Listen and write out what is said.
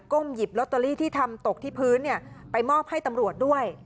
หยิบลอตเตอรี่ที่ทำตกที่พื้นไปมอบให้ตำรวจด้วย